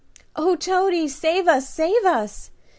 "O Toady, save us! save us!"